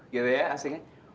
gila ya asik kan